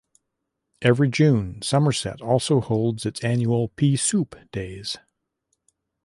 Every June, Somerset also holds its annual Pea Soup Days.